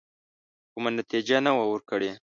کومه نتیجه نه وه ورکړې.